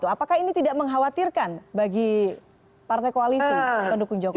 apakah ini tidak mengkhawatirkan bagi partai koalisi pendukung jokowi